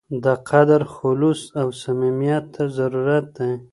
د قدر خلوص او صمیمیت ته ضرورت دی.